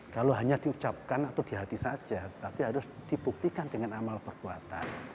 kalau hanya diucapkan atau di hati saja tapi harus dibuktikan dengan amal perbuatan